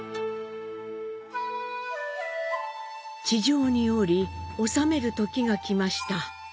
地上に降り治める時がきました。